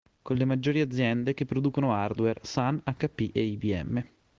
Con le maggiori aziende che producono hardware (Sun, Hp e IBM).